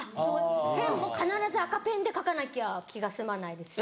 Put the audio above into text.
ペンも必ず赤ペンで書かなきゃ気が済まないですし。